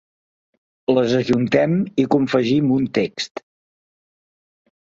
Les ajuntem i confegim un text.